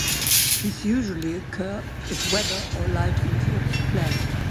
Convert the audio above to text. This would usually occur if weather or light interrupts play.